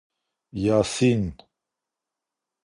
یاسین